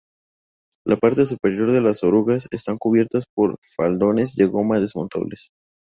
La parte superior de las orugas están cubiertas por faldones de goma desmontables.